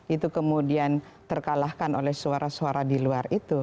itu kemudian terkalahkan oleh suara suara di luar itu